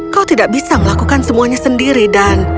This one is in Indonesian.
kau tidak bisa melakukan semuanya sendiri dan